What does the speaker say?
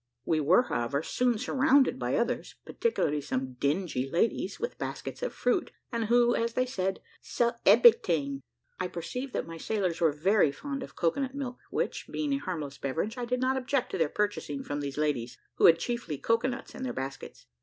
We were, however, soon surrounded by others, particularly some dingy ladies, with baskets of fruit, and who, as they said, "sell ebery ting." I perceived that my sailors were very fond of cocoa nut milk, which, being a harmless beverage, I did not object to their purchasing from these ladies, who had chiefly cocoa nuts in their baskets.